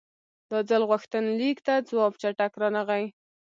دا ځل غوښتنلیک ته ځواب چټک رانغی.